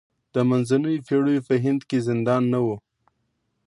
د منځنیو پېړیو په هند کې زندان نه و.